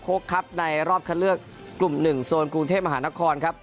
คกครับในรอบเข้าเลือกกลุ่ม๑โซนกรุงเทพมหานครครับ